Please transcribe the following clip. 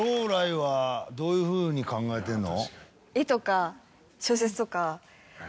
どういうふうに考えてんの？